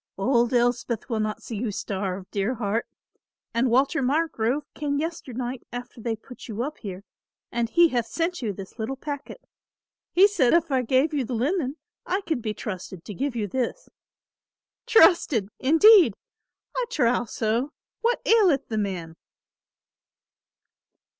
Old Elspeth will not see you starve, dear heart; and Walter Margrove came yesternight after they put you up here and he hath sent you this little packet. He said if I gave you the linen I could be trusted to give you this. 'Trusted,' indeed! I trow so; what aileth the man?"